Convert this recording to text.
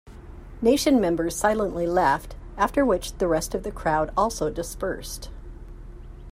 Nation members silently left, after which the rest of the crowd also dispersed.